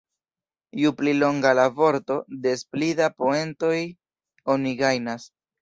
Ju pli longa la vorto, des pli da poentoj oni gajnas.